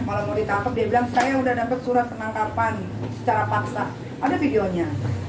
kalau mau ditangkap dia bilang saya sudah dapat surat penangkapan secara paksa ada videonya